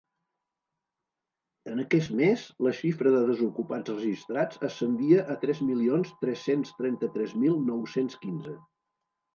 En aquest mes, la xifra de desocupats registrats ascendia a tres milions tres-cents trenta-tres mil nou-cents quinze.